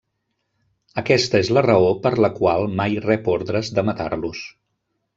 Aquesta és la raó per la qual mai rep ordres de matar-los.